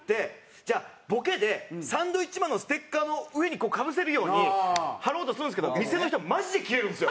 じゃあボケでサンドウィッチマンのステッカーの上にかぶせるように貼ろうとするんですけど店の人はマジでキレるんですよ。